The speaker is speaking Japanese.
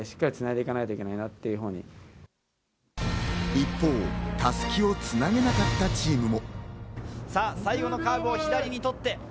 一方、襷をつなげなかったチームも。